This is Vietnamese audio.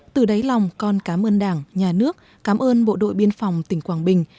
từ đáy lòng con cám ơn đảng nhà nước cảm ơn bộ đội biên phòng tỉnh quảng bình